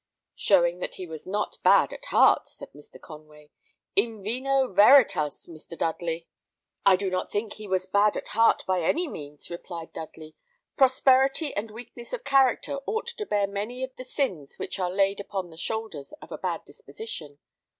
"Showing that he was not bad at heart," said Mr. Conway: "in vino veritas, Mr. Dudley." "I do not think he was bad at heart, by any means," replied Dudley. "Prosperity and weakness of character ought to bear many of the sins which are laid upon the shoulders of a bad disposition.